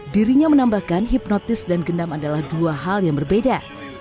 dirinya menambahkan hipnotis dan gendam adalah dua hal yang berbeda